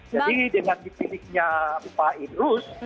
dengan dipilihnya pak idrus